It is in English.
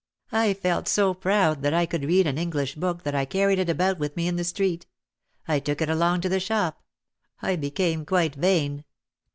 I felt so proud that I could read an English book that I carried it about with me in the street. I took it along to the shop. I became quite vain.